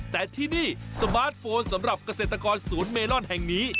แต่ที่นี่สมาร์ทโฟนสำหรับเกษตรกรศูนย์เมลอนแห่งนี้